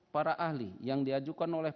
para ahli yang diajukan oleh